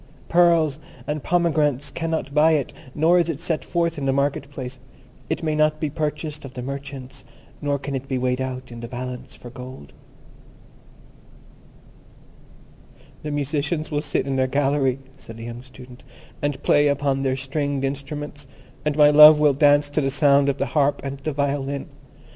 Pearls and pomegranates cannot buy it, nor is it set forth in the marketplace. It may not be purchased of the merchants, nor can it be weighed out in the balance for gold." "The musicians will sit in their gallery," said the young Student, "and play upon their stringed instruments, and my love will dance to the sound of the harp and the violin.